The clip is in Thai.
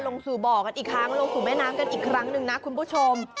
ลงสู่บ่อกันอีกครั้งลงสู่แม่น้ำกันอีกครั้งหนึ่งนะคุณผู้ชม